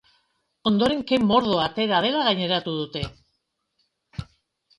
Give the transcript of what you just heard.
Ondoren ke-mordoa atera dela gaineratu dute.